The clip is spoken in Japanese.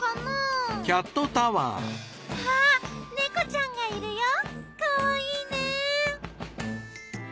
あっ猫ちゃんがいるよかわいいね。